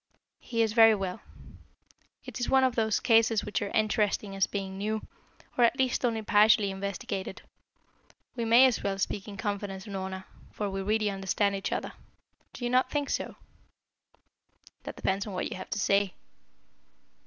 "He is very well. It is one of those cases which are interesting as being new, or at least only partially investigated. We may as well speak in confidence, Unorna, for we really understand each other. Do you not think so?" "That depends on what you have to say."